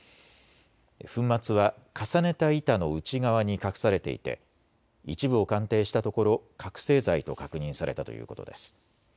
粉末は重ねた板の内側に隠されていて一部を鑑定したところ覚醒剤と確認されたということです。